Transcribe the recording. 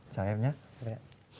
chào em nhé